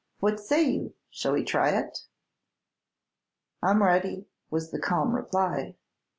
What say you, shall we try it?" "I 'm ready," was the calm reply.